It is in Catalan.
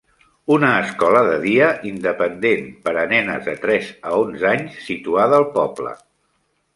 Una escola de dia independent per a nenes de tres a onze anys situada al poble.